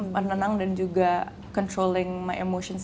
mendenang dan juga controlling my emotions